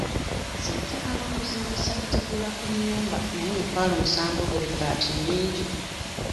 Nze njagala okuzimbisa kategula ku nnyumba naye emitwalo musanvu buli bbaati nnyingi.